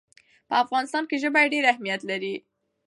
په افغانستان کې ژبې ډېر اهمیت لري.